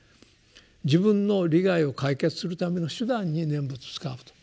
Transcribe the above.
自分の利害を解決するための手段に念仏を使うと。